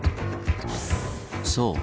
そう。